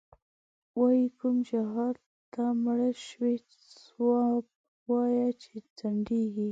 وایې کوم جهادته مړ شوی، ځواب وایه چی ځندیږی